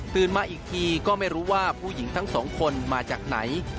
มาอีกทีก็ไม่รู้ว่าผู้หญิงทั้งสองคนมาจากไหน